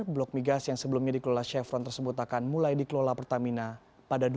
blok migas yang sebelumnya dikelola chevron tersebut akan mulai dikelola pertamina pada dua ribu dua puluh